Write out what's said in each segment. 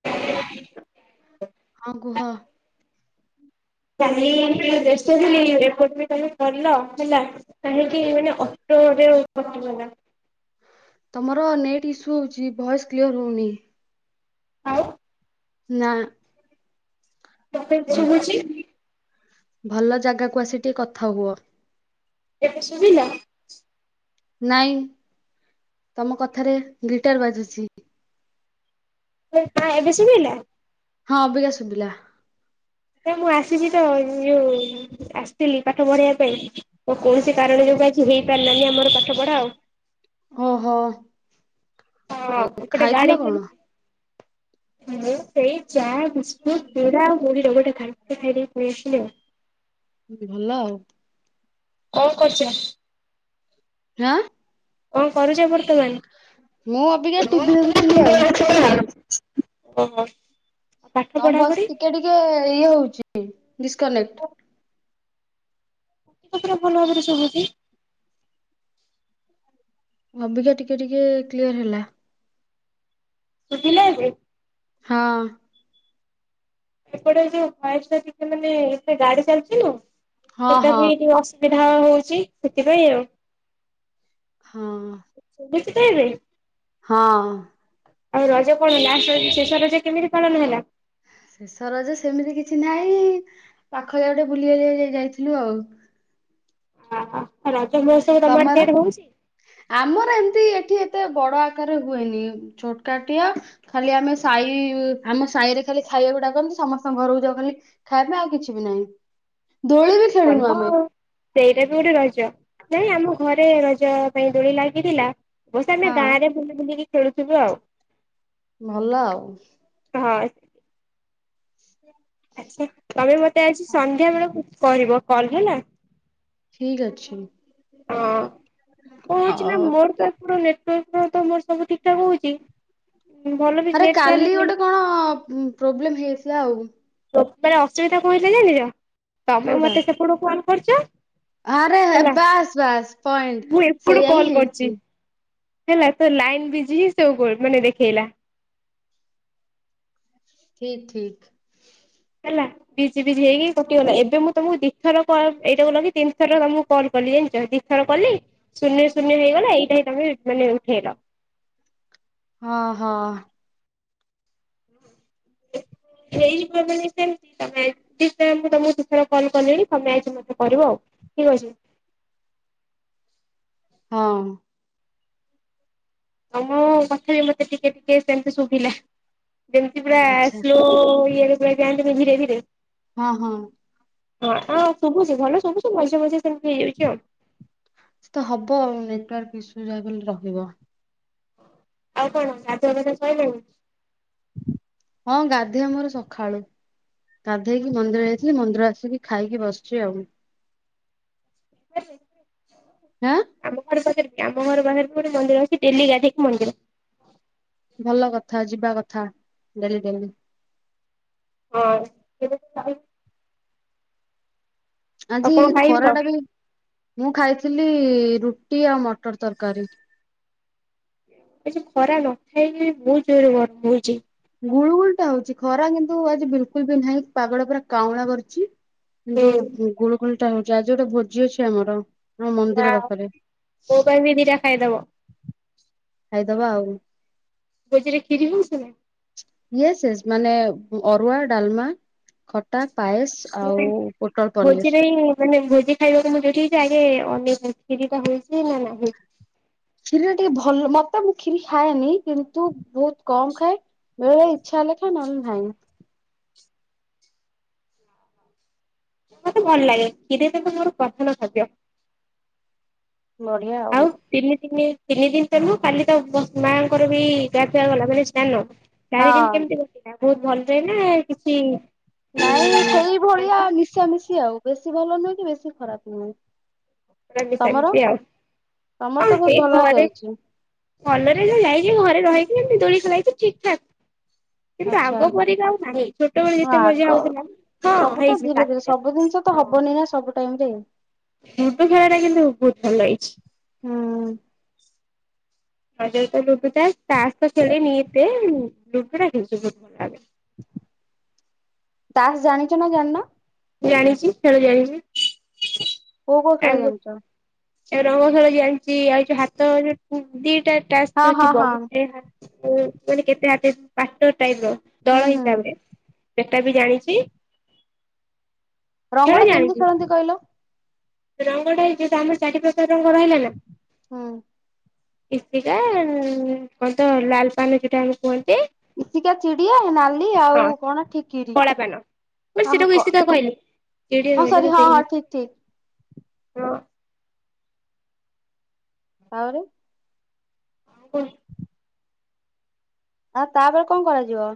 ହଁ। ହଁ କୁହ। କାଲି ଟିକେ ବ୍ୟସ୍ତ ଥିଲି ରିପୋର୍ଟ ବି କାଲି କରିଲ ହେଲା। କାହିଁକି ମାନେ ଅସ୍ତ୍ରରେ କଟିବ ନା। ତମର ନେଟ୍ ଇସ୍ୟୁ ହଉଛି, ଭଏସ୍ କ୍ଲିଅର ହଉନି। ଆଉ ନା। ପର୍ଫେକ୍ଟ ଭଲ ଶୁଭୁଚି। ଭଲ ଜାଗାକୁ ଆସି ଟିକେ କଥା ହୁଅ। ଏବେ ସୁବିଲା। ନାଇଁ ତମ କଥାରେ ଗିଟାର ବାଜୁଛି। ନା ଏବେ ଶୁଭିଲା। ହଁ ଅବିକା ଶୁଭିଲା। ଏବେ ମୁଁ ଆସିଛି ତ ୟେ ଆସିଥିଲି ପାଠ ପଢେଇବା ପାଇଁ। ଆଉ କୌଣସି କାରଣ ଯୋଗୁ ଆଜି ହେଇପାରିଲାନି ଆମର ପାଠ ପଢା ଆଉ। ଓହୋ। ଆଉ [unintelligible] ମୁଁ ଖାଇଥିଲ ସେଇ ଚା କଣ? ବିସ୍କୁଟ, ଚୁଡା ଆଉ ମୁଡି ର ଗୋଟେ ଘାଣ୍ଟ ଖାଇକି ପଳେଇଆସିଲି ଆଉ। ଭଲ ଆଉ। କଣ କରୁଚ? ରାଆଁ। କଣ କରୁଛ ମୁଁ ଅବିକା ବର୍ତ୍ତମାନ ଟିଭି ଦେଖୁଥିଲି ଆଉ [unintelligible] ଓ। ତମ ଭଏସ ଟିକେ ଟିକେ ଇଏ ହଉଛି ଡିସକନେକ୍ଟ। ମତେ ପୁରା ଭଲ ଭାବରେ ଶୁଭୁଛି। ଅବିକା ଟିକେ ଟିକେ କ୍ଲିୟର ହେଲା। ଶୁଭିଲା ଏବେ। ହଁ। ଏପଟେ ଯୋଉ ଭଏସ ଟା ଟିକେ ମାନେ ଏ ଗାଡି ଚାଲିଛି ନା ହଁ ସେଟା ହଁ ବି ଅ ସୁବିଧା ହଉଛି ସେଥିପାଇଁ ଆଉ। ହଁ। ଭୂଜି ଖାଇିବେ? ହଁ। ଆଉ ରଜ କଣ ହେଲା ଲାଷ୍ଟ୍ ଶେଷ ରଜ କେମିତି ପାଳନ ହେଲା? ଶେଷ ରଜ ସେମିତି କିଛି ନାହିଁ ପାଖ ଜାଗା ଗୋଟେ ବୁଲିିବାକୁ ଯାଇଥିଲୁ ଆଉ। ହ ରଜ ମହୋତ୍ସବ ତମର ଆଡେ ସିଆଡେ ହଉଛି? ଆମର ଏମତି ଏଠି ଏତେ ବଡ ଆକାରରେ ହୁଏନି, ଛୋଟକାଟିଆ ଖାଲି ଆମେ ସାହି ଆମ ସାଇରେ ଖାଲି ଖାଇବାକୁ ଡାକନ୍ତି ସମସ୍ତଙ୍କ ଘରକୁ ଯାଉ ଖାଲି ଖାଇବା ପାଇଁ ଆଉ କିଛି ବି ନାହିଁ। ଦୋଳି ବି ଖେଳିନୁ ବଢିବ ଆମେ ଆଉ। ସେଇଟା ବି ଗୋଟେ ରଜ, ନାଇଁ ଆମ ଘରେ ରଜ ପାଇଁ ଦୋଳି ଲାଗିଥିଲା। ବାସ ଆମେ ହଁ। ଗାଁ ରେ ବୁଲି ବୁଲିକି ଖେଳୁଥିଲୁ ଆଉ। ଭଲ ଆଉ। ହଁ। ଆଛା ତମେ ମତେ ଆଜି ସନ୍ଧ୍ୟା ବେଳକୁ କରିବ କଲ ହେଲା। ଠିକ ଅଛି। ହଁ କଣ ହଉଛି ନା ହଉ ମୋର ତ ଏପଟେ ନେଟାର୍କ ତ ମୋର ସବୁ ଠିକ ଠାକ ହଉଛି ଭଲ ବି ଆରେ ନେଟ୍ କାଲି ଚାଲୁଛି ଗୋଟେ କଣ ପ୍ରୋବ୍ଲେମ ହେଇଯାଇଥିଲା ଆଉ। ସେତେବେଳେ ଅସୁବିଧା କଣ ହେଇଥିଲା ଜାଣିଛ ତମେ କୋଉଟା ମତେ ସେପଟୁ ଫୋନ୍ କରୁଛ ଆରେ ବାସ୍ ବାସ୍ ପଏଣ୍ଟ ମୁଁ ଏପଟୁ ସେଇଆା ହିଁ କଲ୍ କରିଛି। ହେଇଛି। ହେଲା ତ ଲାଇନ ବିଜି ହ ସୋ ମାନେ ଦେଖେଇଲା। ଠିକ୍ ଠିକ୍। ହେଲା ବିଜି ବିଜି ହେଇକି କଟିଗଲା ଏବେ ମୁଁ ତମକୁ ଦିଥର କଲ୍ ଏଇଟାକୁ ଲଗିିକି ତିନି ଦିଇଥର ତମକୁ କଲ କଲି ଜାଣିଛ ଦିଥର କଲି ଶୂନ୍ୟ ଶୂନ୍ୟ ହେଇଗଲା ଏଇଟା ହି ତମେ ମାନେ ଉଠେଇଲ। ହଁ ହଁ। ହେଇଯିବ ମାନେ ସେମିତି ତମେ ଠିକ୍ ସେ ମୁଁ ତମକୁ ଦୁଇ ଥର କଲ୍ କଲିଣି ତମେ ଆଜି ମୋତେ କରିବ ଆଉ ଠିକ୍ ଅଛି। ହଁ। ଆଉ ମୁଁ କଥା ବିି ମତେ ଟିକେ ଟିକେ ସେମତି ଶୁଭିଲା ଯେମିତି ପୁରା ଆଚ୍ଛା ସ୍ଲୋ ଇ ରେ ପୁରା ଯାଆନ୍ତିନି ଧୀରେ ଧୀରେ ହଁ ହଁ। ହଁ ହଁ ଶୁଭୁଛି ଭଲ ଶୁଭୁଛି ମଝିରେ ମଝିରେ ସେମିତି ହେଇଯାଉଛି ଆଉ। ସେ ତ ହବ ଆଉ ନେଟୱାର୍କ ଇସୁ ଯାହା ହେଲେ ବୋଲି ରହିବ। ଆଉ କଣ ଗାଧୁଆ ପାଧୁଆ ସାଇଲାଣି? ହଁ ଗାଧେଇଆ ମୋର ସକାଳୁ। ଗାଧେଇକି ମନ୍ଦିର ଯାଇଥିଲି ମନ୍ଦିର ଆସିକି ଖାଇକି ବସିଛି ଆଉ। [inaudible] ହାଁ ଆମ ଘର ପାଖରେ ବି ଆମ ଘର ପାଖରେ ବି ଗୋଟେ ମନ୍ଦିର ଅଛି ଡେଲି ଗାଧେଇକି ମନ୍ଦିର। ଭଲ କଥା ଯିବା କଥା ଡେଲି ଡେଲି। ହଁ। ଆଉ ଆଜି କଣ ଖାଇଥିଲ? ଖରା ଟା ବି ମୁଁ ଖାଇଥିଲି ରୁଟି ଆଉ ମଟର ତରକାରୀ। ଏଠି ଖରା ନଥାଇ କି ବି ବହୁତ୍ ଜୋରେ ଗରମ ହେଉଛି। ଗୁଳୁ ଗୁଳ ଟା ହଉଛି ଖରା କିନ୍ତୁ ଆଜି ବିଲକୁଲ ବି ନାହିଁ ପାଗ ଟା ପୁରା କାଉଁଳା କରୁଛି। ହୁଁ କିନ୍ତୁ ଗୁଳୁ ଗୁଳି ଟା ହଉଛି ଆଜି ଗୋଟେ ଭୋଜି ଅଛି ଆମର। ଆମ ନା ମନ୍ଦିର ପାଖରେ ମୋ ପାଇଁ ବି ଦିଟା ଖାଇଦବ ଖାଇଦବା ଆଉ। କହୁଥିଲି କ୍ଷୀରି ହେଉଛି ନା? ୟେସ୍ ୟେସ୍ ମାନେ ଅରୁଆ, ଡାଲମା ଖ ଖଟା ପାଏସେ ଆଉ ପୋଟଳ ପନିର ଭୋଜିରେ ହିଁ ମାନେ ଭୋଜି ଖାଇବାକୁ ମୁଁ ଯଉଠିଛି ଆଗେ ଅନେକିରିଟା ହଉଛି ନା ନାହିଁ? କ୍ଷୀର ଟିକେ ଭଲ ମତେ ମୁଁ କ୍ଷୀରି ଖାଏନି କିନ୍ତୁ ବହୁତ କମ ଖାଏ ବେଳେବେଳେ ଇଚ୍ଛା ହେଲେ ଖାଏ ନହେଲେ ନାହିଁ। ମତେ ଭଲ ଲାଗେ କ୍ଷୀର ଗୋଟେ ପସନ୍ଦ ଖାଦ୍ୟ। ବଢିଆ ଆଉ। ତିନି ଦି ତିନି ଦିନ ତଲୁ କାଲି ତ ମାଆଙ୍କର ବି ଗଆ ଗଲା ମାନେ ସ୍ନାନ। ଚାରି ଦିନ ହଁ କେମିତି ବସିଲା ବହୁତ ଭଲ ରହେ ନା କିଛି ନାଇଁ ସେଇ ଭଳିଆ ମିଶା ମିଶା ମିଶି ଆଉ ବେଶୀ ଭଲ ନୁହେଁ କି ବେଶୀ ଖରାପ ନୁହେଁ। ତମର ସେମିତି ତମର ଆଉ ତ ସେ ବହୁତ ଭଲ ଘରେ ଯାଇଛି ଭଲରେ ଯଉ ଯାଇକି ଘରେ ରହକି ଏମତି ଦୋଳି ଖେଳି କି ଠିକ୍ ଠାକ୍। କିନ୍ତୁ ଆଚ୍ଛା। ଆଗ ପରିକି ଆଉ ନାହିଁ ଛୋଟବେଳେ ହଁ ଯେତେ ମଜା ଆଗ ହଉଥିଲା ହଁ ସବୁ ତ ହେଇଛି ଧୀରେ ଧୀରେ ରାତିରେ ସବୁ ଜିନିଷ ତ ହଁ ହବନି ନା ସବୁ ଟାଇମ ରେ। ଲୁଡୁ ଖେଳଟା କିନ୍ତୁ ବହୁତ ଭଲ ହେଇଛି। ହୁଁ। [unintelligible] ଲୁଡୁ ଟା ତାସ୍ ଖେଳନି ଏତେ ଲୁଡୁ ଟା ଖେଳିଛି ବହୁତ ଭଲ ଲାଗେ। ତାସ୍ ଜାଣିଛ ନା ଜାଣିନ? ଜାଣିଛି ଖେଳି ଜାଣିଛି। କୋଉ କୋଉ ଖେଳ ଜାଣିଛ? ଆଉ ରଙ୍ଗ ଖେଳ ଜାଣିଛି ଆଉ ଯୋଉ ହାତ ଯୋଉ ଦିଟା ଟା ତାସ ହଁ ଯୋଉ ହଁ ଥିବ ହଁ ମାନେ କେତେଟ ପାଟର ଟାଇପ୍ ର ହୁଁ ଦଳ ହୁଁ ହିସାବରେ। ସେଟା ବି ଜାଣିଛି। ରଙ୍ଗଟା କେମିତି ଖେଳନ୍ତି କହିଲ? ରଙ୍ଗ ଟା ହେଇଛି ଆମର ଚାରି ପ୍ରକାର ରଙ୍ଗ ରହିଲା ନା। ହୁଁ ଇସିକା କଣ ତ ଲାଲ ପାନ ଯୋଉଟା ଆମେ କୁହନ୍ତି। ଇସିକା ଚିଡିଆ ନାଲି ହଁ ଆଉ କଣ ଠିକିରି। କଳା ପାନ ମାନେ ହଁ ହଁ ସେଟାକୁ କ ଇସିକା କହିଲି ହଁ ସରି ହଁ ହଁ ଠିକ ଠିକ। ହୁଁ। ଆଉରି। [inaudible] ଆଉ ତାପରେ କଣ କରାଯିବ?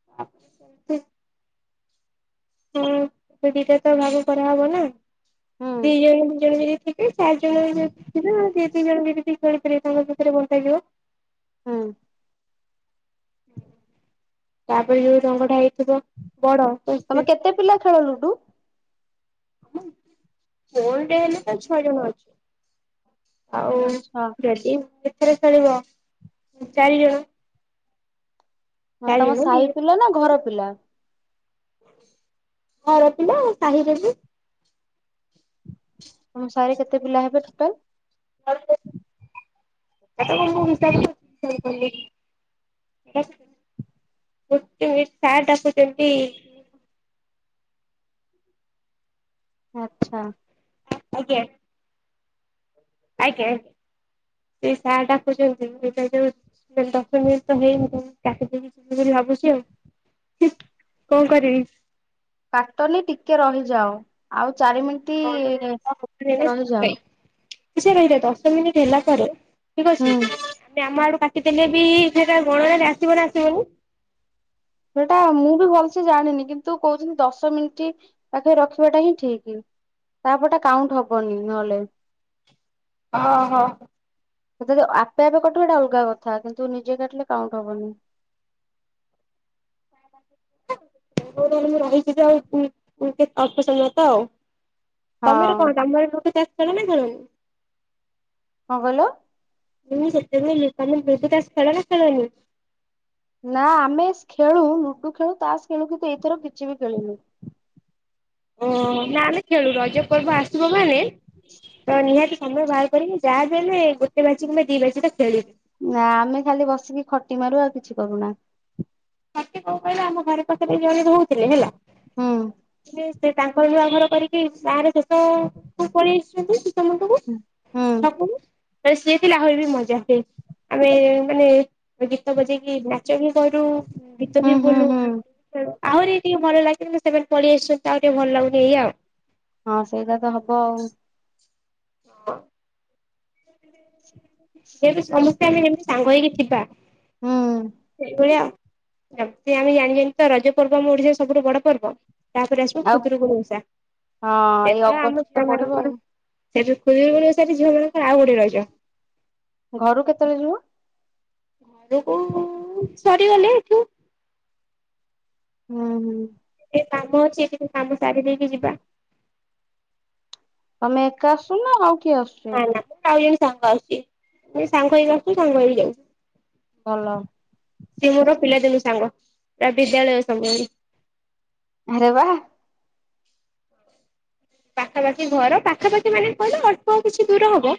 [inaudible] ହଁ ଦିଟା ତ ଭାବ କରାହବ ନା ହୁଁ ଦି ଜଣ ଦି ଜଣ ଯଦି। ଏଇ ଚାରି ଜଣ ଯ ଥିଲେ ଦି ଦି ଜଣ ଦଦି ଦ ଖେିବେ ତାଙ୍କ ଭିତରେ ବଣ୍ଟାଯିବ। ହୁଁ। ତାପରେ ଯୋଉ ରଙ୍ଗ ଟା ହେଇଥିବ ବଡ। ତ ସେ ତମେ କେତେ ପିଲା ଖେଳ ଲୁଡୁ? କୋଣଟରେ ହେଲେ ତ ଛଅ ଜଣ ଅଛି। ଆଉ ଆଛା ଯଦି ଏଥର ଖେଳିବ ଚାରି ଜଣ। ହଁ ଚାରି ତମ ଜଣ ଦି ସାହି ଜଣ ପିଲା ନା ଘର ପିଲା। ଘର ପିଲା ଆଉ ସାହିରେ ବି। ତମ ସାହିରେ କେତେ ପିଲା ହେବେ ଟୋଟାଲ? [inaudible] [inaudible] ଗୋଟେ ମିନଟ୍ ସାର୍ ଡାକୁୁଛନ୍ତି। ଆଛା। ଆଜ୍ଞା ଆଜ୍ଞା। ଆଜ୍ଞା ଏଇ ସାର୍ ଡାକୁଛନ୍ତି [unintelligible] ଦଶ ମିନିଟ୍ ତ ହେଇନି କାଟି ଦେବି ବୋଲି ଭାବୁଛି ଆଉ। ହୁଁ କଣ କରିବି? କାଟନି ଟିକେ ରହିଯାଉ ଆଉ ଚାରି ମିନିଟ। [inaudible] ରହିଯାଅ କି ସେ ରହିଲେ ଦଶ ମିନିଟ୍ ହେଲା ପରେ ଠିକ ହୁଁ ଅଛି ଆ ଆମ ଆଡୁ କାଟି ଦେଲେ ବି ଏଠ ତା ଗଣାରେ ଆସିବ ନା ଆସିବନି। ସେଟା ମୁଁ ବି ଭଲସେ ଜାଣିନି କିନ୍ତୁ କହୁଛନ୍ତି ଦଶ ମିନିଟ୍ ପାଖରେ ରଖିବାଟା ହିଁ ଠିକ ତାପରଟା କାଉଣ୍ଟ ହବନି ନହଲେ। ଓହୋ। ଯଦି ଆପେ ଆପେ କଟିବ ସେଇଟା ଅଲଗା କଥା କିନ୍ତୁ ନିଜେ କାଟିଲେ କାଉଁଟ ହବନି। ମୁଁ ରହିଛି ଯେ ଆଉ କେତେ ଅଳ୍ପ ସମୟ ତ ଆଉ। ହଁ ତମର କଣ ଆମର ଲୋକେ ଚାଷ ଖେଳ ନା ଖେଲନି। କଣ କହିଲ? ନି ସେତେବେଳେ ତମେ ଲୁଡୁ ତାସ ଖେଳ ନା ଖେଳନି। ନା ଆମେ ଖେଳୁ ଲୁଡୁ ଖେଳୁ ତାସ ଖେଳୁ କିନ୍ତୁ ଏଇଥର କିଛି ବି ଖେଳୁନୁ। ଓହ ନା ଆମେ ଖେଳୁ ରଜ ପର୍ବ ଆସିବ ମାନେ ତ ନିହାତି ସମୟ ବାହାର କରିକି ଯାହା ବି ହେଲେ ଗୋଟେ ବାଜି କିବା ଦି ବାଜିଟା ଖେଳିବି। ନା ଆମେ ଖାଲି ବସିକି ଖଟି ମାରୁ ଆଉ କିଛି କରୁନା। ସତ କଣ କହିଲ ଆମ ଘରେ ପାଖରେ ଜଣେ ରହୁଥିଲେ ହେଲା। ହୁଁ। ଏ ସେ ତାଙ୍କର ନୂଆ ଘର କରିକି ଗାଁରେ ଶେଷକୁ ପଳେଇ ଆସିଛନ୍ତି। ସମସ୍ତଙ୍କୁ ହୁଁ ଡାକୁନୁ, ତ ସିଏ ଥିଲା ଆହୁରି ବି ମଜା ହୁଏ। ଆମେ ମାନେ ଗୀତ ବଜେଇକି ନାଚ ବି କରୁ, ଗୀତ ହୁଁ ବି ହୁଁ ବୋଲୁ। ହୁଁ ଆହୁରି ଟିକେ ଭଲ ଲାଗିଥାନ୍ତା ସେମାନେ ପଳେଇ ଆସିଛନ୍ତି ତ ଆଉ ଟିକେ ଭଲ ଲାଗୁନି ଏଇ ଆଉ। ହଁ ସେଇଟା ତ ହବ ଆଉ। [inaudible] ଯଦି ସମସ୍ତେ ଆମେ ଏମିତି ସାଙ୍ଗ ହେଇକି ଥିବା ହୁଁ। ସେଇଭଳିଆ। ଯେମତି ଆମ ଜାଣିଛନ୍ତି ତ, ରଜ ପର୍ବ ଆମ ଓଡିଶାର ସବୁଠୁ ବଡ ପର୍ବ। ତାପରେ ଆସିବ ଆଉ ଖୁଦରୁକୁଣୀ ଓଷା। ହଁ ସେଥିରେ ଏଇ ତ ଆମ ଅଗଷ୍ଟ ପଡିବ ଆଉ। ଝିଅମାନଙ୍କର ସେଠୁ ଖୁଦୁରୁକୁଣୀ ଓଷା ବି ଝିଅମାନଙ୍କର ଆଉ ଗୋଟେ ରଜ। ଘରୁକୁ କେତେବେଳେ ଯିବ? ଯିବୁ ସରିଗଲେ ଏଠି। ଅଁ, ହଁ। ଏ କାମ ଅଛି ଏଇଠି ଟିକେ କାମ ସାରି ଦେଇକି ଯିବା। ତୋମେ ଏକା ଆସୁ ନା ଆଉ କିଏ ଆସ ନା ନା ମୋ ଆଉ ଜଣେ ସାଙ୍ଗ ଆସୁଛି, ଦି ସାଙ୍ଗ ହେଇକି ଆସୁଛୁ ସାଙ୍ଗ ହେଇକି ଯାଉ। ଭଲ। ସିଏ ମୋର ପିଲାଦିନୁ ସାଙ୍ଗ, ତା ବିଦ୍ୟାଳୟ ସମୟରେ। ଆରେ ବା। ପାଖାପାଖି ଘର ପାଖାପାଖି ମାନେ କିଲ ଅଳ୍ପ କିଛି ଦୂର ହବ।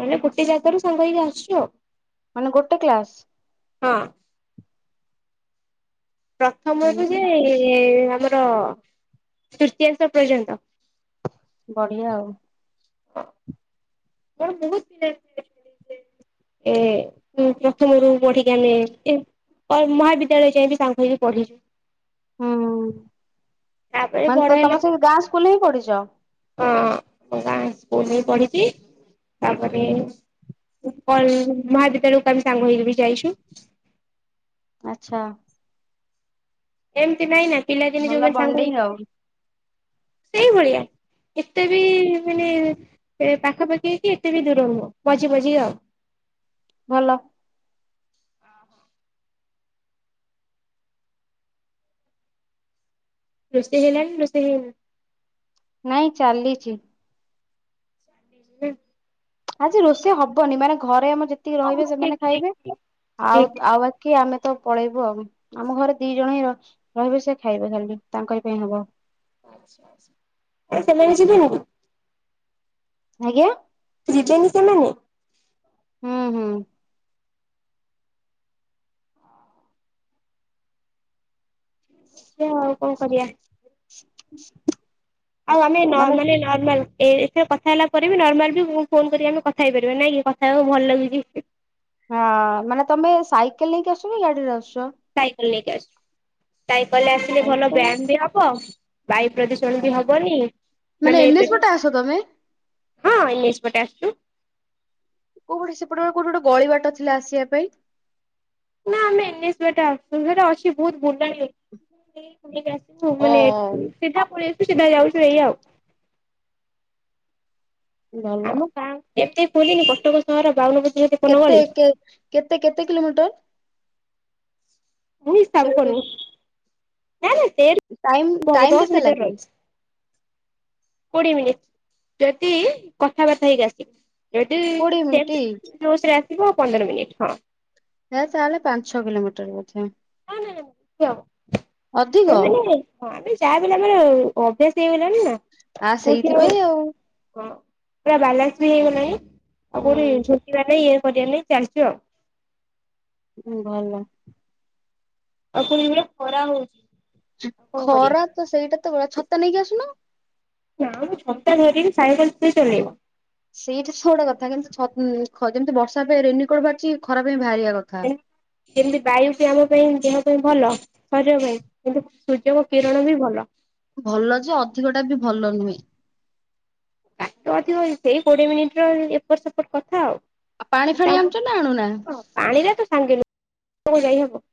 ମାନେ ଗୋଟେ ଜାଗାରୁ ସାଙ୍ଗ ହେଇକି ଆସୁଛୁ ଆଉ। ମାନେ ଗୋଟେ କ୍ଲାସ୍? ହଁ। ପ୍ରଥମରୁ ହୁଁ ଯେ ଆମର ତୃତୀୟାଂଶ ପର୍ଯ୍ୟନ୍ତ। ବଢିଆ ଆଉ। ହଁ। ମୋର ବହୁତ ପିଲା ଏମତି [inaudible] ଏ ମୁଁ ପ୍ରଥମରୁ ପଢିକି ଆମେ ଆସଚେ। ଅଏ ମହାବିଦ୍ୟାଳୟ ଯାଏ ବିି ସାଙ୍ଗ ହେଇକି ପଢିଚୁ। ହୁଁ, ତାପରେ ମାନେ ବଡ ତ ତୋମେ ସେଇ ଗାଁ ସ୍କୁଲ୍ ରେ ହିଁ ପଢିଛ? ହଁ ମୁଁ ଗାଁ ସ୍କୁଲ୍ ରେ ପଢିଚି। ତାପରେ ପଳି ମହାବିଦ୍ୟାଳୟକୁ ଆମେ ସାଙ୍ଗ ହେଇକି ବି ଯାଇଛୁ। ଆଚ୍ଛା। ଏମିତି ନାଇଁ ନା ପିଲାଦିନେ ଭଲ ଯୋଉମାନେ ସାଙ୍ଗ ବଣ୍ଡିଙ୍ଗ ଆଉ ହେଇଥିବେ। ସେଇଭଳିଆ। ଏତେ ବି ମାନେ ଏ ପାଖାପାଖି କି ଏତେ ବି ଦୂର ନୁହଁ ମଝି ମଝି ଆଉ। ଭଲ। ରୋଷେଇ ହେଲାଣି, ରୋଷେଇ ହେଇନି? ନାଇଁ ଚାଲିଚି। [inaudible] ଆଜି ରୋଷେଇ ହବନି, ମାନେ ଘରେ ଆମର ଯେତିକି ହଉ ରହିବେ ଠିକ ସେମାନେ ଠିକ ଖାଇବେ। ଠିକ ଆଉ ଠିକ ତ ଆଉ ଵା କି ଆମେ ତ ପଳେଇବୁ ଆଉ। ଆମ ଘରେ ଦି ଜଣ ହିଁ ର-ରହିବେ ସେ ଖାଇବେ ଖାଲି, ତାଙ୍କରି ପାଇଁ ହବ। ତ ସେମାନେ ଯିବେନି କି? ଆଜ୍ଞା। ଯିବେନି ସେମାନେ? ହଁ, ହଁ। ସିଏ ଆଉ କଣ କରିବା, ଆଉ ଆମେ ନ ମାନେ ନ ନର୍ମାଲ ଏ ଏଥିର କଥା ହେଲା ପରେ ବି ନର୍ମାଲ ବି ମୁଁ ଫୋନ୍ କରିକି ଆମେ କଥା ହେଇପାରିବା, ନାଇଁ କି କଥା ହେବାକୁ ଭଲ ଲାଗୁଚି। ହଁ ମାନେ ତୋମେ ସାଇକେଲ ନେଇକି ଆସୁଛ ନା ଗାଡିରେ ଆସୁଛ? ସାଇକେଲ ନେଇକି ଆସୁଛୁ, ସାଇକେଲ ରେ ଆସିଲେ ଭଲ ସାଇକେଲ ବ୍ୟାୟାମ ବି ହବ। ବାୟୁ ପ୍ରଦୂଷଣ ବି ହବନି। ମାନେ ଏନ୍ ପେ ଏଚ୍ ପଟେ ଆସ ତମେ? ହଁ ଇନିଶପଟେ ଆସୁଚୁ। କୋଉ ପଟେ ସେପଟେ କୋଉଠି ଗୋଟେ ଗଳି ବାଟ ଥିଲା ଆସିବା ପାଇଁ। ନା ଆମେ ଏନିସି ବାଟେ ଆଶୁ ସେରା ଅଛି ବହୁତୁ ବୁଲାଣି ଅଛି। ଆମେ ଯାଇ ବୁଲିକି ଆସିବୁ ଓ ମାନେ ସିଧା ପଳେଇ ଆସିବୁ ସିଧା ଯାଉଛୁ ଏଇଆ ଆଉ। ଭଲ ଆଉ। ଆଉ ଏତେ ବୁଲିନି କଟକ ସହର ବାଉନ ବ କେତେ କେ କେତେ କେତେ କିଲୋମିଟର? ମୁଁ ହିସାବ ସେଇଠୁ କରିନେଇ ନାଇଁ ନାଇଁ ଟାଇମ ସେଇଠି ହବ ଟାଇମ ଦଶ କେତେ ଭିତରେ ଲାଗେ ରହିଛି। କୋଡିଏ ମିନିଟ୍ ଯଦି କଥାବାର୍ତ୍ତା ହେଇକି ଆସିବ। ଯଦି କୋଡିଏ ମିନିଟ ସେମିତି ଆସିବ ପନ୍ଦର ମିନିଟ୍ ହଁ। ଯୋଉ ତାହେଲେ ପାଞ୍ଚ ଛ କିଲୋମିଟର ବୋଧେ? ହଁ ନାଇ ନାଇ ଅଧିକ ବେଶିହବ ତା ମାନେ ହଁ ଆମେ ଯାହା ବିହେଲେ ଆମର ଅଭ୍ୟାସ ହେଇଗଲାଣି ନା। ଆ ସେଇଥିପାଇଁ ଆଉ। କଣ ପୁରା ବାଲାନ୍ସ ବି ହେଇଗଲାଣିଁ ଆଉ କୋଉଠି ହୁଁ ଛୁଟିବା ନାହିଁ ଇଏ କରିବା ନାାଇଁ ଚାଲିଚୁ ଆଉ। ହୁଁ ଭଲ। ଆଉ କଣ ଖରା ହଉଛି? ଆଉ କଣ କରିବା ଖରା ତ ସେଇଟା ତ ଭଳିଆ ଛତା ନେଇକି ଆସୁନ? ନାଇ ମ ଛଡା ଧରିକି ସାଇକଲ କିଏ ଚଲେଇବ। ସେଇଟା ବଡ କଥା କିନ୍ତୁ ଯେମିତି ବର୍ଷା ପାଇଁ ରେନିକୋଟ୍ ବାହାରିଛି ଖରା ପାଇଁ ବାହାରିବା କଥା। ଯେମିତି ବାୟୁ ବି ଆମ ପାଇଁ ଦେହ ପାଇଁ ଭଲ ଶରୀର ପାଇଁ କିନ୍ତୁ ସୂର୍ଯ୍ୟଙ୍କ କିରଣ ବି ଭଲ। ଭଲ ଯେ, ଅଧିକ ଟା ବି ଭଲ ନୁହେଁ। ତାତୁନଥିବ ସେଇ କୋଡିଏ ମିନିଟ୍ ର ଏପଟ ସେପଟ କଥା ଆଉ। ଆଉ ପାଣି ଫାଣି ଆଣୁଚ ନା ଆୁଣୁନା? ପାଣିରାକ ସାଙ୍ଗରେ କୁଆଡୁ ଯାଇହବ?